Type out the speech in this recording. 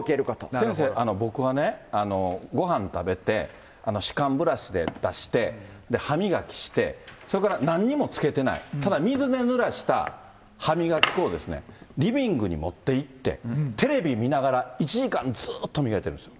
先生、僕はね、ごはん食べて、歯間ブラシで出して、歯磨きして、それからなんにもつけてない、ただ水でぬらした歯磨き粉をリビングに持っていって、テレビ見ながら、１時間ずっと磨いてるんですよ。